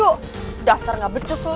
yuk dasar gak becus lu